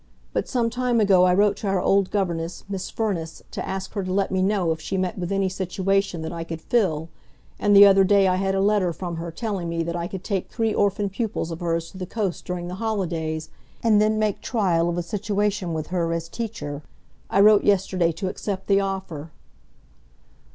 But some time ago I wrote to our old governess, Miss Firniss, to ask her to let me know if she met with any situation that I could fill, and the other day I had a letter from her telling me that I could take three orphan pupils of hers to the coast during the holidays, and then make trial of a situation with her as teacher. I wrote yesterday to accept the offer."